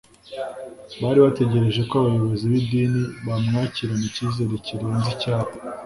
Bari bategereje ko abayobozi b’idini bamwakirana icyizere kirenze icyabo